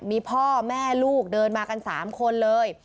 มีพ่อแม่ลูกเดินมากัน๓คนเลย